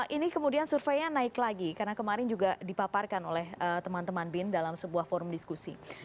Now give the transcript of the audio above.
ini kemudian surveinya naik lagi karena kemarin juga dipaparkan oleh teman teman bin dalam sebuah forum diskusi